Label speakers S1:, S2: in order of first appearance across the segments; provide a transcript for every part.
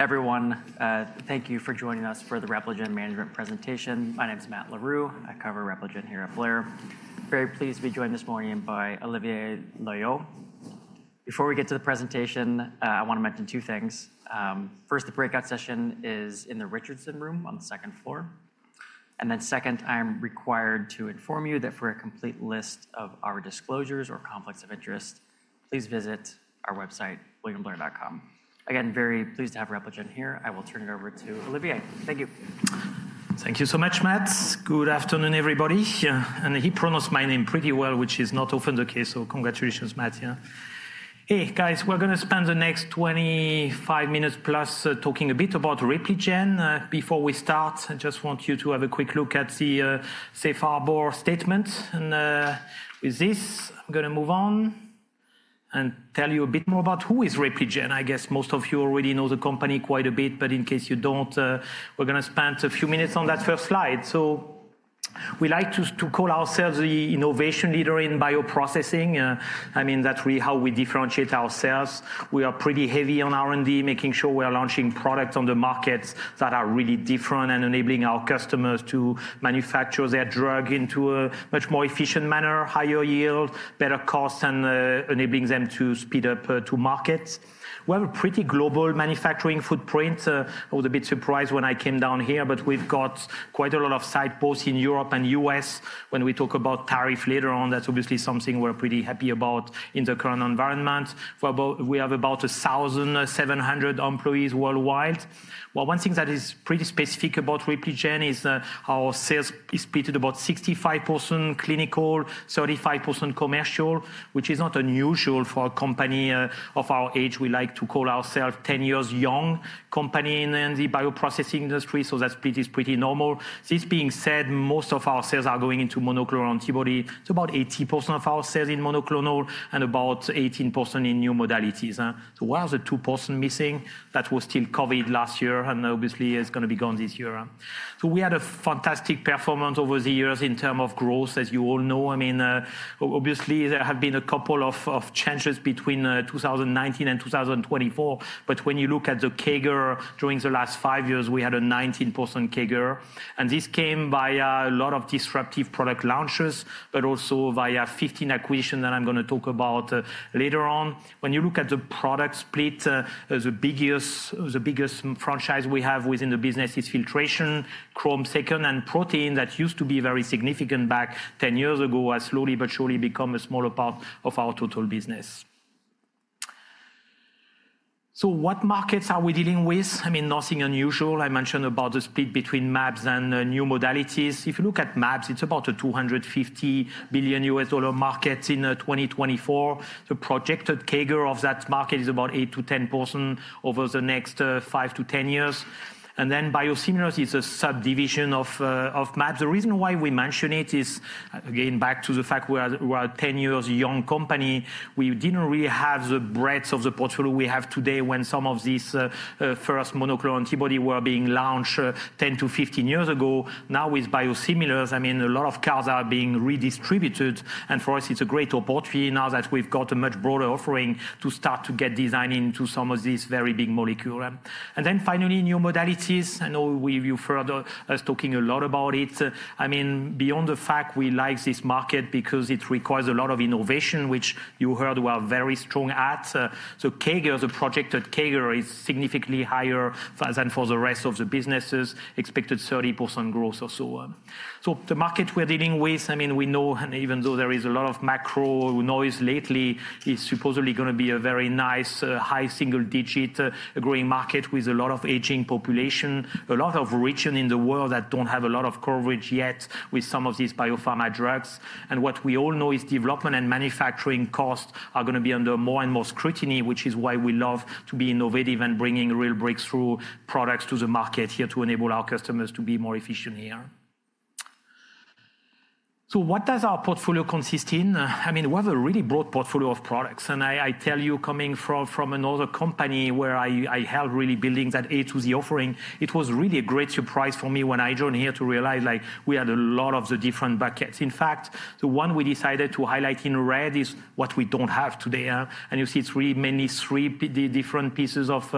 S1: Everyone, thank you for joining us for the Repligen Management presentation. My name is Matt Larew. I cover Repligen here at William Blair. Very pleased to be joined this morning by Olivier Loeillot. Before we get to the presentation, I want to mention two things. First, the breakout session is in the Richardson Room on the second floor. Second, I am required to inform you that for a complete list of our disclosures or conflicts of interest, please visit our website, WilliamBlair.com. Again, very pleased to have Repligen here. I will turn it over to Olivier. Thank you.
S2: Thank you so much, Matt. Good afternoon, everybody. He pronounced my name pretty well, which is not often the case. Congratulations, Matt. Hey, guys, we're going to spend the next 25 minutes plus talking a bit about Repligen. Before we start, I just want you to have a quick look at the Safe Harbor statement. With this, I'm going to move on and tell you a bit more about who is Repligen. I guess most of you already know the company quite a bit, but in case you do not, we're going to spend a few minutes on that first slide. We like to call ourselves the innovation leader in bioprocessing. I mean, that's really how we differentiate ourselves. We are pretty heavy on R&D, making sure we are launching products on the markets that are really different and enabling our customers to manufacture their drug into a much more efficient manner, higher yield, better cost, and enabling them to speed up to markets. We have a pretty global manufacturing footprint. I was a bit surprised when I came down here, but we've got quite a lot of side posts in Europe and the U.S. When we talk about tariffs later on, that's obviously something we're pretty happy about in the current environment. We have about 1,700 employees worldwide. One thing that is pretty specific about Repligen is our sales is split to about 65% clinical, 35% commercial, which is not unusual for a company of our age. We like to call ourselves a 10-year-old young company in the bioprocessing industry, so that split is pretty normal. This being said, most of our sales are going into monoclonal antibody. It's about 80% of our sales in monoclonal and about 18% in new modalities. Why are the 2% missing? That was still COVID last year, and obviously, it's going to be gone this year. We had a fantastic performance over the years in terms of growth, as you all know. I mean, obviously, there have been a couple of changes between 2019 and 2024. When you look at the CAGR during the last five years, we had a 19% CAGR. This came via a lot of disruptive product launches, but also via 15 acquisitions that I'm going to talk about later on. When you look at the product split, the biggest franchise we have within the business is filtration, chrome second, and protein that used to be very significant back 10 years ago has slowly but surely become a smaller part of our total business. What markets are we dealing with? I mean, nothing unusual. I mentioned about the split between mAbs and new modalities. If you look at mAbs, it's about a $250 billion market in 2024. The projected CAGR of that market is about 8%-10% over the next 5 years-10 years. Biosimilars is a subdivision of mAbs. The reason why we mention it is, again, back to the fact we are a 10-year-old young company. We didn't really have the breadth of the portfolio we have today when some of these first monoclonal antibodies were being launched 10 years-15 years ago. Now with biosimilars, I mean, a lot of cards are being redistributed. For us, it's a great opportunity now that we've got a much broader offering to start to get design into some of these very big molecules. Finally, new modalities. I know we referred to us talking a lot about it. I mean, beyond the fact we like this market because it requires a lot of innovation, which you heard we are very strong at. CAGR, the projected CAGR is significantly higher than for the rest of the businesses. Expected 30% growth or so. The market we're dealing with, I mean, we know, and even though there is a lot of macro noise lately, it's supposedly going to be a very nice high single-digit growing market with a lot of aging population, a lot of regions in the world that don't have a lot of coverage yet with some of these biopharma drugs. What we all know is development and manufacturing costs are going to be under more and more scrutiny, which is why we love to be innovative and bring real breakthrough products to the market here to enable our customers to be more efficient here. What does our portfolio consist in? I mean, we have a really broad portfolio of products. I tell you, coming from another company where I held really building that A2C offering, it was really a great surprise for me when I joined here to realize we had a lot of the different buckets. In fact, the one we decided to highlight in red is what we do not have today. You see, it is really mainly three different pieces of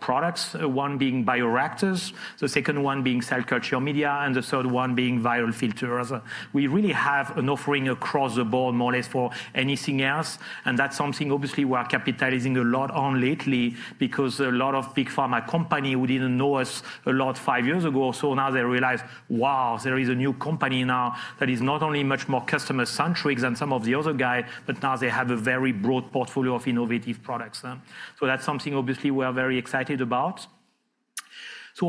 S2: products, one being bioreactors, the second one being cell culture media, and the third one being viral filters. We really have an offering across the board more or less for anything else. That's something obviously we are capitalizing a lot on lately because a lot of big pharma companies who did not know us a lot five years ago, now they realize, wow, there is a new company now that is not only much more customer-centric than some of the other guys, but now they have a very broad portfolio of innovative products. That's something obviously we are very excited about.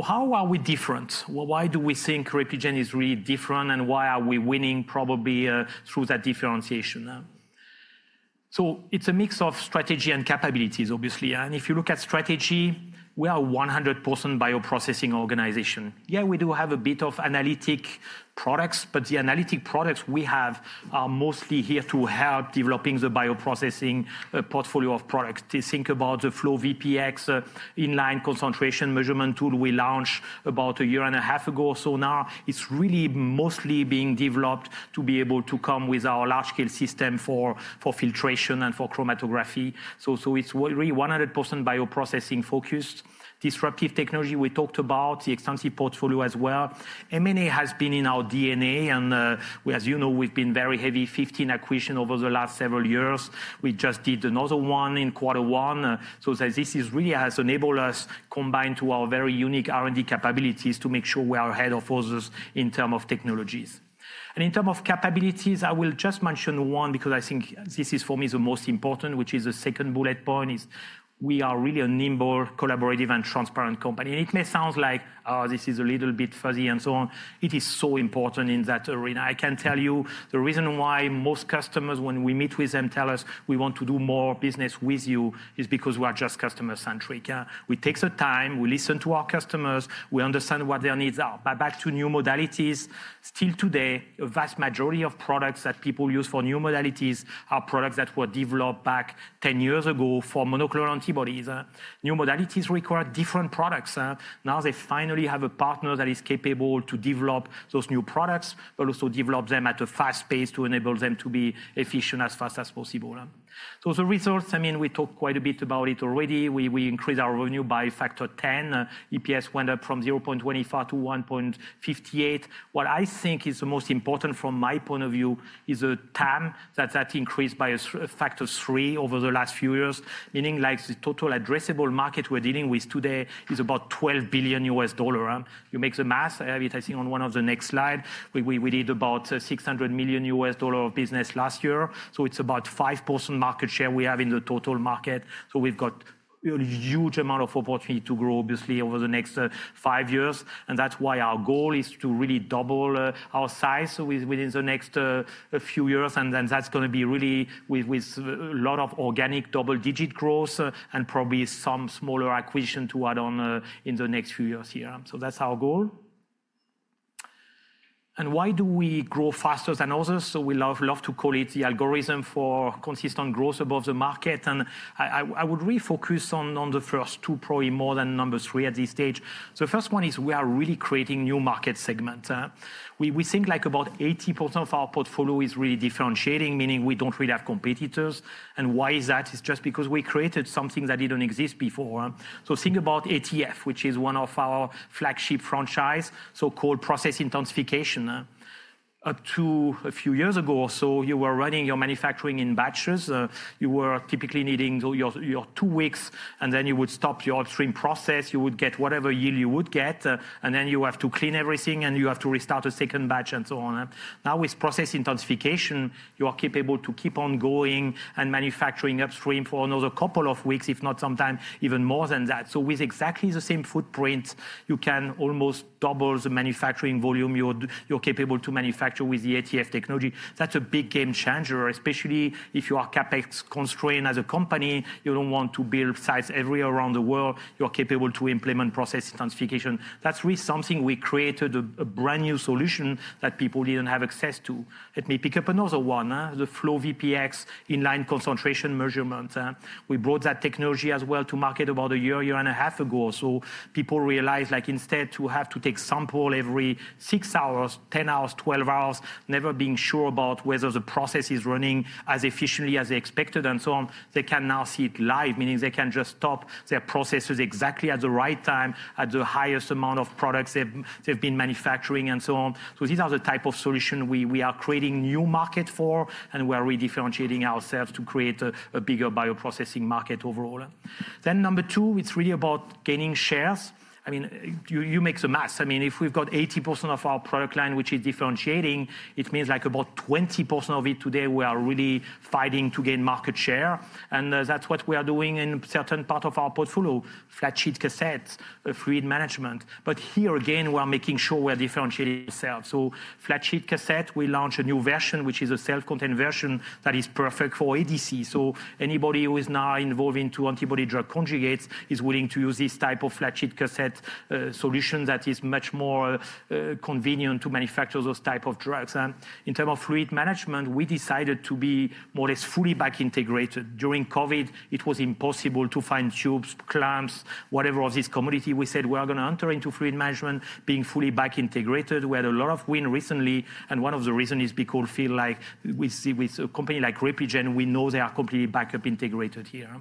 S2: How are we different? Why do we think Repligen is really different and why are we winning probably through that differentiation? It's a mix of strategy and capabilities, obviously. If you look at strategy, we are a 100% bioprocessing organization. Yeah, we do have a bit of analytic products, but the analytic products we have are mostly here to help developing the bioprocessing portfolio of products. Think about the FlowVPX in-line concentration measurement tool we launched about a year and a half ago or so now. It is really mostly being developed to be able to come with our large-scale system for filtration and for chromatography. It is really 100% bioprocessing focused. Disruptive technology, we talked about the extensive portfolio as well. M&A has been in our DNA. As you know, we have been very heavy, 15 acquisitions over the last several years. We just did another one in quarter one. This really has enabled us to combine to our very unique R&D capabilities to make sure we are ahead of others in terms of technologies. In terms of capabilities, I will just mention one because I think this is for me the most important, which is the second bullet point, we are really a nimble, collaborative, and transparent company. It may sound like, oh, this is a little bit fuzzy and so on. It is so important in that arena. I can tell you the reason why most customers, when we meet with them, tell us, we want to do more business with you is because we are just customer-centric. We take the time, we listen to our customers, we understand what their needs are. Back to new modalities, still today, a vast majority of products that people use for new modalities are products that were developed back 10 years ago for monoclonal antibodies. New modalities require different products. Now they finally have a partner that is capable to develop those new products, but also develop them at a fast pace to enable them to be efficient as fast as possible. The results, I mean, we talked quite a bit about it already. We increased our revenue by a factor of 10. EPS went up from $0.25 to $1.58. What I think is the most important from my point of view is the time that that increased by a factor of three over the last few years, meaning the total addressable market we're dealing with today is about $12 billion. You make the math, I think on one of the next slides, we did about $600 million of business last year. It is about 5% market share we have in the total market. We have a huge amount of opportunity to grow, obviously, over the next five years. That is why our goal is to really double our size within the next few years. That is going to be really with a lot of organic double-digit growth and probably some smaller acquisition to add on in the next few years here. That is our goal. Why do we grow faster than others? We love to call it the algorithm for consistent growth above the market. I would really focus on the first two, probably more than number three at this stage. The first one is we are really creating new market segments. We think about 80% of our portfolio is really differentiating, meaning we do not really have competitors. Why is that? It is just because we created something that did not exist before. Think about ATF, which is one of our flagship franchises, so-called process intensification. Up to a few years ago or so, you were running your manufacturing in batches. You were typically needing your two weeks, and then you would stop your upstream process. You would get whatever yield you would get, and then you have to clean everything, and you have to restart a second batch and so on. Now with process intensification, you are capable to keep on going and manufacturing upstream for another couple of weeks, if not sometimes even more than that. With exactly the same footprint, you can almost double the manufacturing volume you're capable to manufacture with the ATF technology. That's a big game changer, especially if you are CapEx constrained as a company. You don't want to build sites everywhere around the world. You're capable to implement process intensification. That's really something we created, a brand new solution that people didn't have access to. Let me pick up another one, the FlowVPX in-line concentration measurement. We brought that technology as well to market about a year, year and a half ago. People realized instead of having to take a sample every 6 hours, 10 hours, 12 hours, never being sure about whether the process is running as efficiently as they expected and so on, they can now see it live, meaning they can just stop their processes exactly at the right time at the highest amount of products they've been manufacturing and so on. These are the type of solution we are creating new market for, and we are really differentiating ourselves to create a bigger bioprocessing market overall. Number two, it's really about gaining shares. I mean, you make the math. If we've got 80% of our product line, which is differentiating, it means about 20% of it today we are really fighting to gain market share. That's what we are doing in a certain part of our portfolio, flat sheet cassettes, fluid management. Here, again, we are making sure we are differentiating ourselves. Flat sheet cassette, we launch a new version, which is a self-contained version that is perfect for ADC. Anybody who is now involved in antibody drug conjugates is willing to use this type of flat sheet cassette solution that is much more convenient to manufacture those types of drugs. In terms of fluid management, we decided to be more or less fully back integrated. During COVID, it was impossible to find tubes, clamps, whatever of this commodity. We said we are going to enter into fluid management being fully back integrated. We had a lot of win recently. One of the reasons is because we feel like with a company like Repligen, we know they are completely back up integrated here.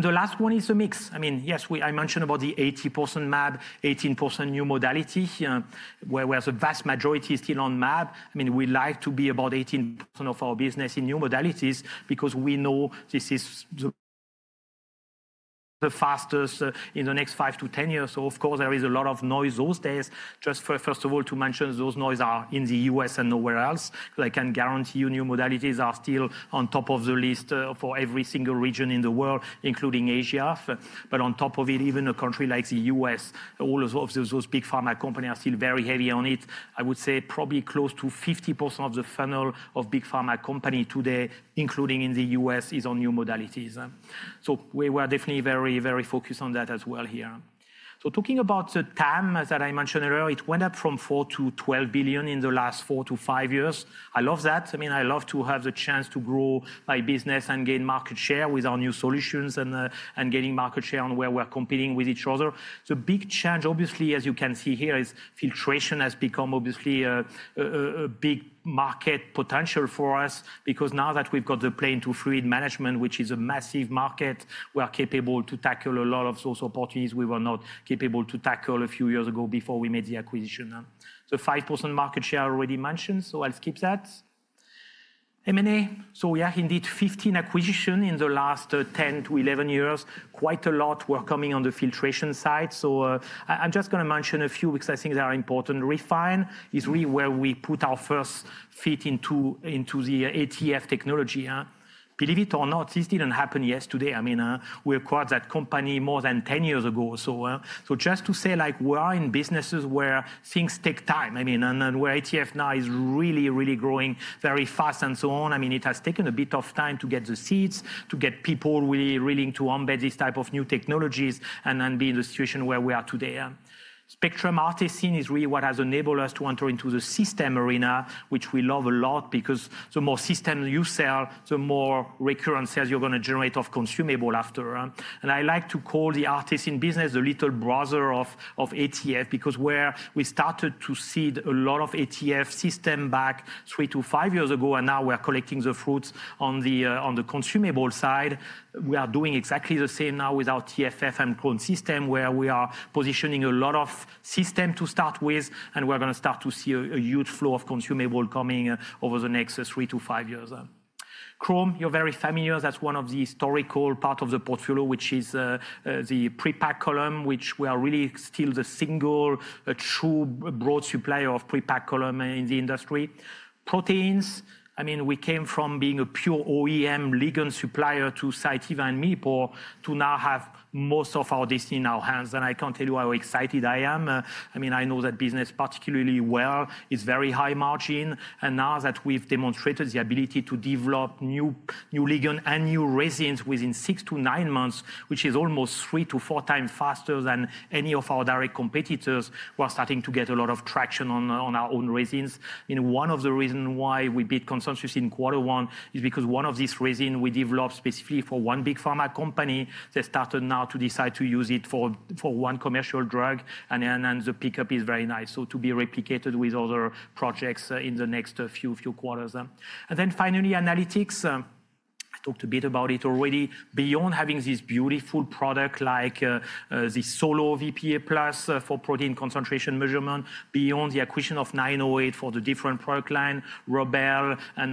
S2: The last one is the mix. I mean, yes, I mentioned about the 80% mAb, 18% new modality here, whereas the vast majority is still on mAb. I mean, we like to be about 18% of our business in new modalities because we know this is the fastest in the next 5 to 10 years. Of course, there is a lot of noise those days. Just first of all, to mention those noises are in the U.S. and nowhere else. I can guarantee you new modalities are still on top of the list for every single region in the world, including Asia. On top of it, even a country like the U.S., all of those big pharma companies are still very heavy on it. I would say probably close to 50% of the funnel of big pharma companies today, including in the U.S., is on new modalities. We were definitely very, very focused on that as well here. Talking about the TAM that I mentioned earlier, it went up from $4 billion to $12 billion in the last four to five years. I love that. I mean, I love to have the chance to grow my business and gain market share with our new solutions and gaining market share on where we're competing with each other. The big change, obviously, as you can see here, is filtration has become obviously a big market potential for us because now that we've got the play into fluid management, which is a massive market, we are capable to tackle a lot of those opportunities we were not capable to tackle a few years ago before we made the acquisition. The 5% market share I already mentioned, so I'll skip that. M&A. We have indeed 15 acquisitions in the last 10 to 11 years. Quite a lot were coming on the filtration side. I'm just going to mention a few because I think they are important. Refine is really where we put our first feet into the ATF technology. Believe it or not, this did not happen yesterday. I mean, we acquired that company more than 10 years ago. Just to say we are in businesses where things take time, I mean, and where ATF now is really, really growing very fast and so on. I mean, it has taken a bit of time to get the seeds, to get people really willing to embed these types of new technologies and be in the situation where we are today. Spectrum is really what has enabled us to enter into the system arena, which we love a lot because the more systems you sell, the more recurrent sales you're going to generate of consumable after. I like to call the artist in business the little brother of ATF because where we started to seed a lot of ATF system back three to five years ago, and now we're collecting the fruits on the consumable side. We are doing exactly the same now with our TFF and clone system where we are positioning a lot of system to start with, and we're going to start to see a huge flow of consumable coming over the next three to five years. Chrome, you're very familiar. That's one of the historical parts of the portfolio, which is the pre-packed column, which we are really still the single true broad supplier of pre-packed column in the industry. Proteins, I mean, we came from being a pure OEM ligand supplier to Cytiva and Millipore to now have most of our destiny in our hands. And I can't tell you how excited I am. I mean, I know that business particularly well. It's very high margin. Now that we've demonstrated the ability to develop new ligand and new resins within six to nine months, which is almost three to four times faster than any of our direct competitors, we're starting to get a lot of traction on our own resins. One of the reasons why we beat consensus in quarter one is because one of these resins we developed specifically for one big pharma company, they started now to decide to use it for one commercial drug, and the pickup is very nice. To be replicated with other projects in the next few quarters. Finally, analytics. I talked a bit about it already. Beyond having this beautiful product like the SoloVPE Plus for protein concentration measurement, beyond the acquisition of 908 for the different product line, REBEL and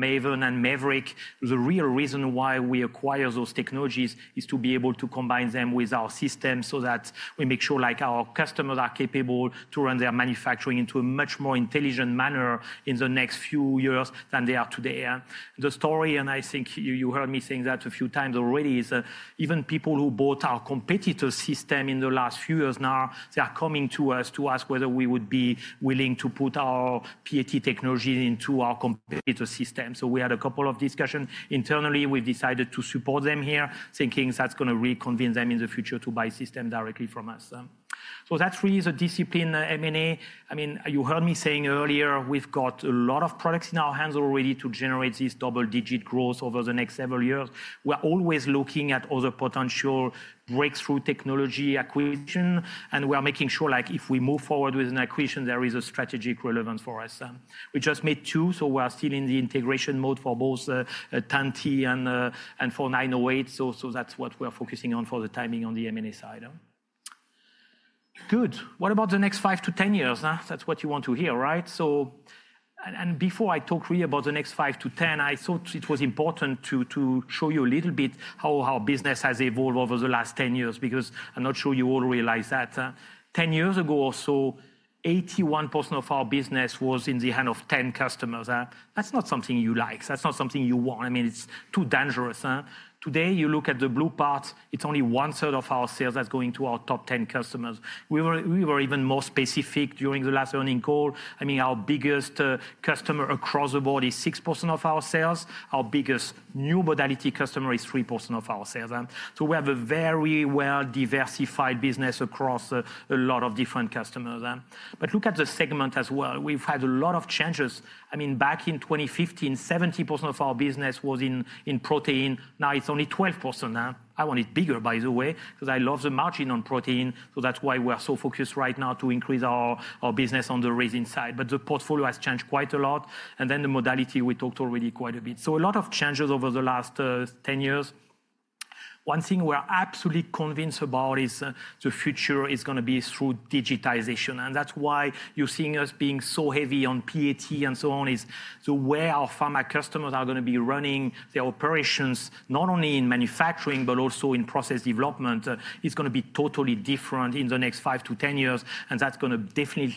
S2: MAVEN and MAVERICK, the real reason why we acquire those technologies is to be able to combine them with our system so that we make sure our customers are capable to run their manufacturing into a much more intelligent manner in the next few years than they are today. The story, and I think you heard me saying that a few times already, is even people who bought our competitor system in the last few years now, they are coming to us to ask whether we would be willing to put our PAT technology into our competitor system. We had a couple of discussions internally. We have decided to support them here, thinking that is going to really convince them in the future to buy systems directly from us. That is really the discipline, M&A. I mean, you heard me saying earlier, we have got a lot of products in our hands already to generate this double-digit growth over the next several years. We are always looking at other potential breakthrough technology acquisition, and we are making sure if we move forward with an acquisition, there is a strategic relevance for us. We just made two, so we're still in the integration mode for both Tantti and for 908. So that's what we're focusing on for the timing on the M&A side. Good. What about the next 5 years-10 years? That's what you want to hear, right? And before I talk really about the next 5 years-10 years, I thought it was important to show you a little bit how our business has evolved over the last 10 years because I'm not sure you all realize that. Ten years ago or so, 81% of our business was in the hand of 10 customers. That's not something you like. That's not something you want. I mean, it's too dangerous. Today, you look at the blue part, it's only one third of our sales that's going to our top 10 customers. We were even more specific during the last earning call. I mean, our biggest customer across the board is 6% of our sales. Our biggest new modality customer is 3% of our sales. We have a very well-diversified business across a lot of different customers. Look at the segment as well. We've had a lot of changes. I mean, back in 2015, 70% of our business was in protein. Now it's only 12%. I want it bigger, by the way, because I love the margin on protein. That's why we're so focused right now to increase our business on the resin side. The portfolio has changed quite a lot. The modality, we talked already quite a bit. A lot of changes over the last 10 years. One thing we're absolutely convinced about is the future is going to be through digitization. That is why you are seeing us being so heavy on PAT and so on is the way our pharma customers are going to be running their operations, not only in manufacturing, but also in process development. It is going to be totally different in the next five to ten years. That is going to definitely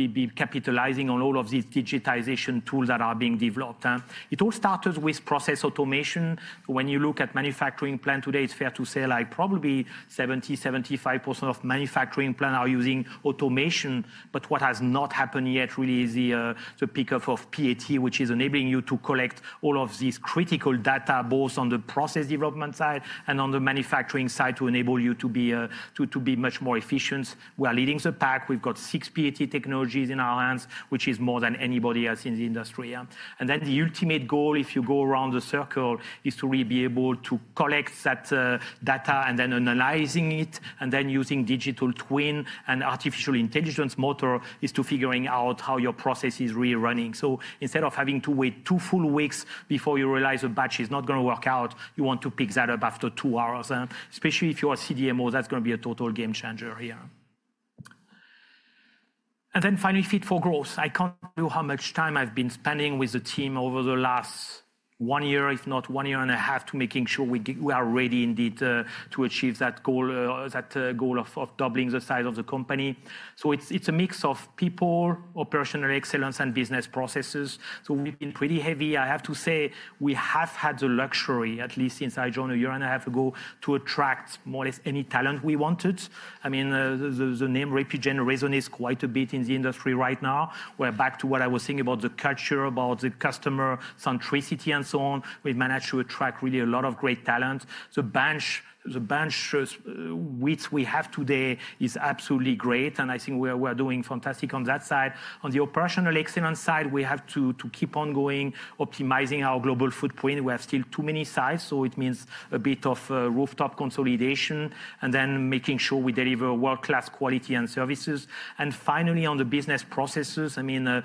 S2: be capitalizing on all of these digitization tools that are being developed. It all started with process automation. When you look at a manufacturing plant today, it is fair to say probably 70%-75% of manufacturing plants are using automation. What has not happened yet really is the pickup of PAT, which is enabling you to collect all of these critical data both on the process development side and on the manufacturing side to enable you to be much more efficient. We are leading the pack. We've got six PAT technologies in our hands, which is more than anybody else in the industry. The ultimate goal, if you go around the circle, is to really be able to collect that data and then analyzing it and then using digital twin and artificial intelligence motor is to figuring out how your process is really running. Instead of having to wait two full weeks before you realize a batch is not going to work out, you want to pick that up after two hours. Especially if you're a CDMO, that's going to be a total game changer here. Finally, fit for growth. I can't tell you how much time I've been spending with the team over the last one year, if not one year and a half, to making sure we are ready indeed to achieve that goal of doubling the size of the company. It is a mix of people, operational excellence, and business processes. We've been pretty heavy. I have to say we have had the luxury, at least since I joined a year and a half ago, to attract more or less any talent we wanted. I mean, the name Repligen resonates quite a bit in the industry right now. We are back to what I was saying about the culture, about the customer centricity and so on. We've managed to attract really a lot of great talent. The bench width we have today is absolutely great. I think we're doing fantastic on that side. On the operational excellence side, we have to keep on going, optimizing our global footprint. We have still too many sites. It means a bit of rooftop consolidation and then making sure we deliver world-class quality and services. Finally, on the business processes, I mean,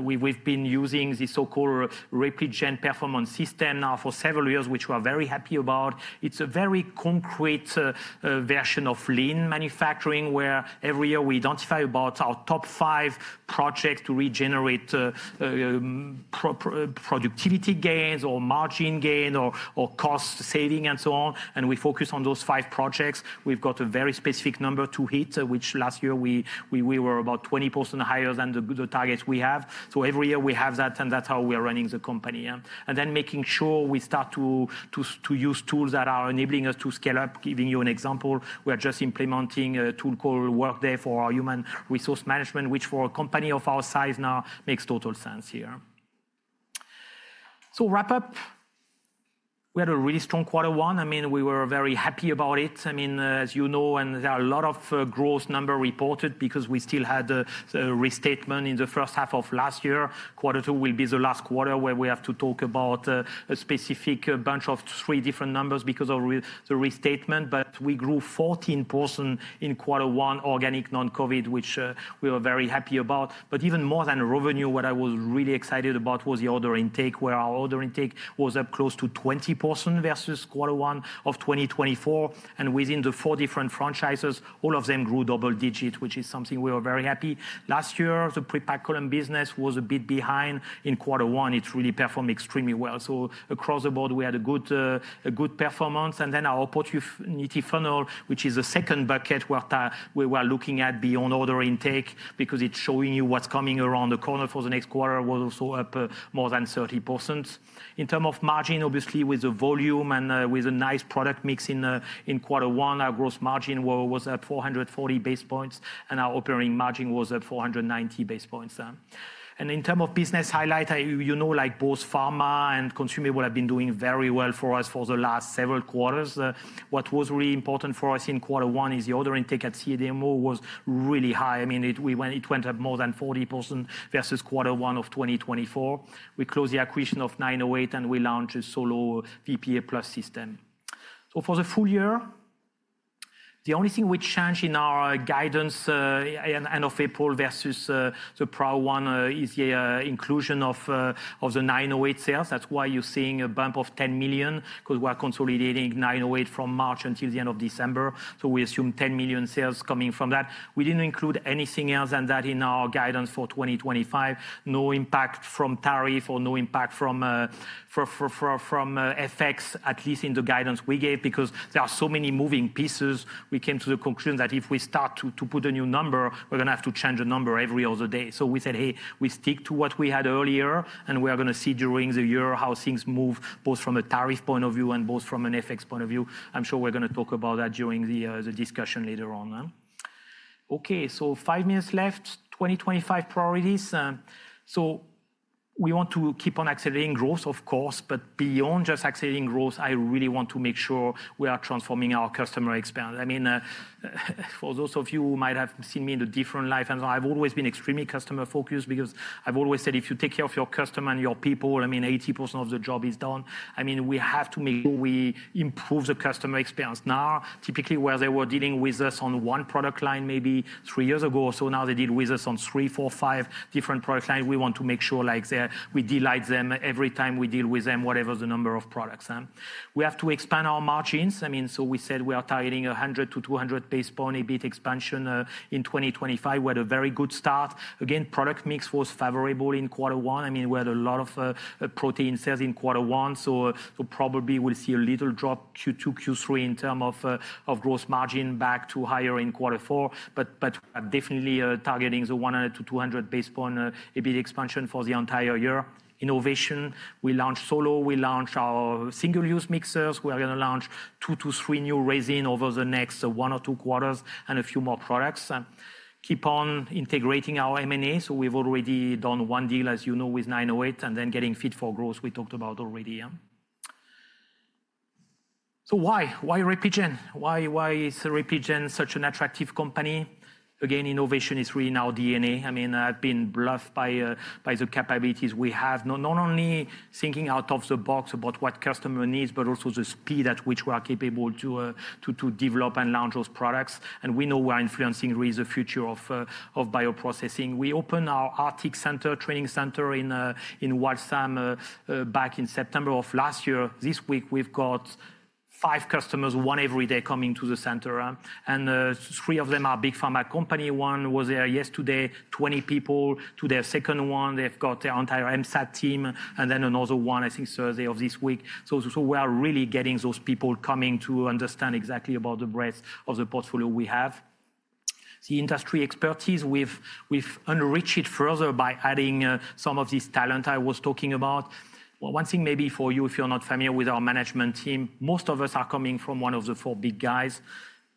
S2: we've been using the so-called Repligen performance system now for several years, which we are very happy about. It's a very concrete version of lean manufacturing where every year we identify about our top five projects to regenerate productivity gains or margin gain or cost saving and so on. We focus on those five projects. We've got a very specific number to hit, which last year we were about 20% higher than the targets we have. Every year we have that, and that's how we are running the company. Then making sure we start to use tools that are enabling us to scale up. Giving you an example, we're just implementing a tool called Workday for our human resource management, which for a company of our size now makes total sense here. To wrap up, we had a really strong quarter one. I mean, we were very happy about it. I mean, as you know, there are a lot of gross numbers reported because we still had the restatement in the first half of last year. Quarter two will be the last quarter where we have to talk about a specific bunch of three different numbers because of the restatement. We grew 14% in quarter one, organic, non-COVID, which we were very happy about. Even more than revenue, what I was really excited about was the order intake, where our order intake was up close to 20% versus quarter one of 2024. Within the four different franchises, all of them grew double digit, which is something we were very happy. Last year, the pre-packed column business was a bit behind in quarter one. It really performed extremely well. Across the board, we had a good performance. Our opportunity funnel, which is the second bucket we were looking at beyond order intake because it is showing you what is coming around the corner for the next quarter, was also up more than 30%. In terms of margin, obviously with the volume and with a nice product mix in quarter one, our gross margin was at 440 basis points and our operating margin was at 490 basis points. In terms of business highlight, you know, like both pharma and consumable have been doing very well for us for the last several quarters. What was really important for us in quarter one is the order intake at CDMO was really high. I mean, it went up more than 40% versus quarter one of 2024. We closed the acquisition of 908 and we launched a SoloVPE Plus system. For the full year, the only thing we changed in our guidance end of April versus the prior one is the inclusion of the 908 sales. That's why you're seeing a bump of $10 million because we're consolidating 908 from March until the end of December. We assume $10 million sales coming from that. We didn't include anything else than that in our guidance for 2025. No impact from tariff or no impact from FX, at least in the guidance we gave because there are so many moving pieces. We came to the conclusion that if we start to put a new number, we're going to have to change the number every other day. We said, hey, we stick to what we had earlier and we are going to see during the year how things move both from a tariff point of view and both from an FX point of view. I'm sure we're going to talk about that during the discussion later on. Okay, five minutes left, 2025 priorities. We want to keep on accelerating growth, of course, but beyond just accelerating growth, I really want to make sure we are transforming our customer experience. I mean, for those of you who might have seen me in a different life, I've always been extremely customer-focused because I've always said if you take care of your customer and your people, I mean, 80% of the job is done. I mean, we have to make sure we improve the customer experience now. Typically, where they were dealing with us on one product line maybe three years ago or so, now they deal with us on three, four, five different product lines. We want to make sure we delight them every time we deal with them, whatever the number of products. We have to expand our margins. I mean, so we said we are targeting 100-200 basis points a bit expansion in 2025. We had a very good start. Again, product mix was favorable in quarter one. I mean, we had a lot of protein sales in quarter one. So probably we'll see a little drop Q2, Q3 in terms of gross margin back to higher in quarter four. But we are definitely targeting the 100 to 200 basis points a bit expansion for the entire year. Innovation, we launched Solo. We launched our single-use mixers. We are going to launch two to three new resin over the next one or two quarters and a few more products. Keep on integrating our M&A. So we've already done one deal, as you know, with 908 and then getting fit for growth we talked about already. So why? Why Repligen? Why is Repligen such an attractive company? Again, innovation is really in our DNA. I mean, I've been blessed by the capabilities we have. Not only thinking out of the box about what customer needs, but also the speed at which we are capable to develop and launch those products. We know we are influencing really the future of bioprocessing. We opened our Arctic Center, training center in Waltham back in September of last year. This week, we've got five customers, one every day coming to the center. Three of them are big pharma company. One was there yesterday, 20 people. To their second one, they've got their entire MSAT team. Another one, I think, Thursday of this week. We are really getting those people coming to understand exactly about the breadth of the portfolio we have. The industry expertise, we've enriched it further by adding some of this talent I was talking about. One thing maybe for you, if you're not familiar with our management team, most of us are coming from one of the four big guys.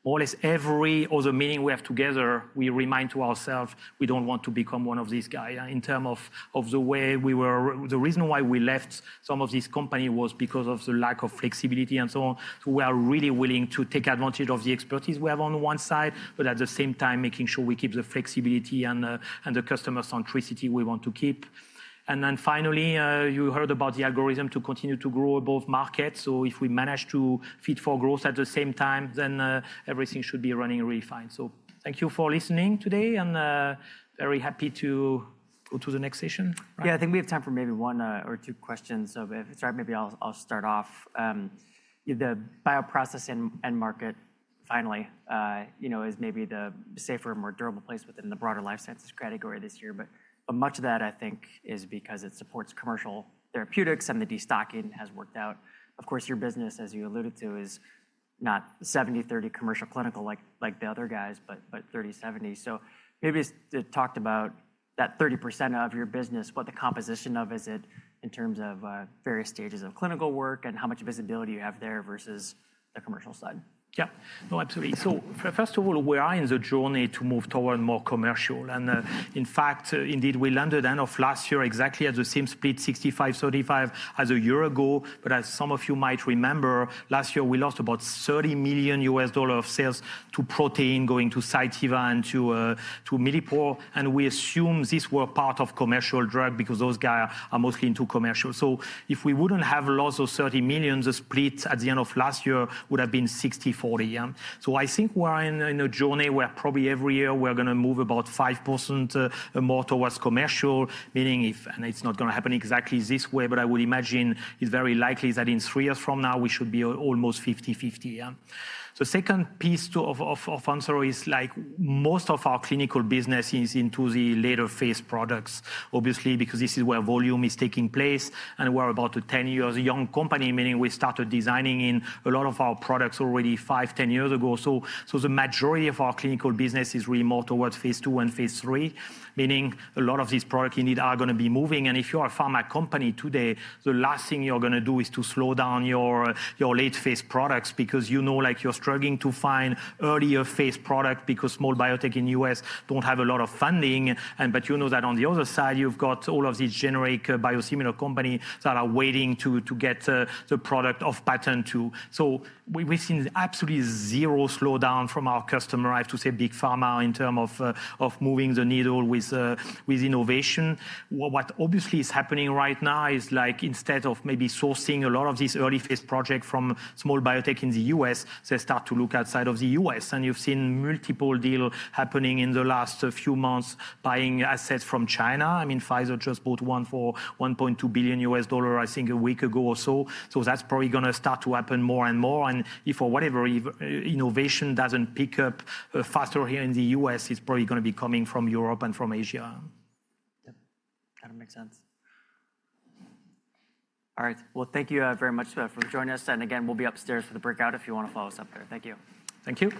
S2: Almost every other meeting we have together, we remind ourselves we do not want to become one of these guys. In terms of the way we were, the reason why we left some of these companies was because of the lack of flexibility and so on. We are really willing to take advantage of the expertise we have on one side, but at the same time, making sure we keep the flexibility and the customer centricity we want to keep. Finally, you heard about the algorithm to continue to grow above market. If we manage to fit for growth at the same time, then everything should be running really fine. Thank you for listening today and very happy to go to the next session.
S1: I think we have time for maybe one or two questions. If it's right, maybe I'll start off. The bioprocess and market finally is maybe the safer, more durable place within the broader life sciences category this year. Much of that, I think, is because it supports commercial therapeutics and the destocking has worked out. Of course, your business, as you alluded to, is not 70:30 commercial clinical like the other guys, but 30:70. Maybe talk about that 30% of your business, what the composition of it is in terms of various stages of clinical work and how much visibility you have there versus the commercial side.
S2: Yeah, no, absolutely. First of all, we are in the journey to move toward more commercial. In fact, indeed, we landed end of last year exactly at the same split, 65:35 as a year ago. As some of you might remember, last year, we lost about $30 million of sales to protein going to Cytiva and to Millipore. We assume this was part of commercial drug because those guys are mostly into commercial. If we would not have lost those $30 million, the split at the end of last year would have been 60:40. I think we are in a journey where probably every year we are going to move about 5% more towards commercial, meaning if, and it is not going to happen exactly this way, but I would imagine it is very likely that in three years from now, we should be almost 50:50. The second piece of answer is like most of our clinical business is into the later phase products, obviously, because this is where volume is taking place. And we're about a 10-year-old young company, meaning we started designing in a lot of our products already 5 years-10 years ago. So the majority of our clinical business is really more towards phase II and phase III, meaning a lot of these products indeed are going to be moving. And if you're a pharma company today, the last thing you're going to do is to slow down your late phase products because you know you're struggling to find earlier phase products because small biotech in the U.S. don't have a lot of funding. But you know that on the other side, you've got all of these generic biosimilar companies that are waiting to get the product off patent too. So we've seen absolutely zero slowdown from our customer, I have to say, big pharma in terms of moving the needle with innovation. What obviously is happening right now is like instead of maybe sourcing a lot of these early phase projects from small biotech in the U.S., they start to look outside of the U.S. And you've seen multiple deals happening in the last few months buying assets from China. I mean, Pfizer just bought one for $1.2 billion, I think, a week ago or so. That's probably going to start to happen more and more. If for whatever reason innovation does not pick up faster here in the U.S., it's probably going to be coming from Europe and from Asia.
S1: Yep, that makes sense. All right. Thank you very much for joining us. We'll be upstairs for the breakout if you want to follow us up there. Thank you.
S2: Thank you.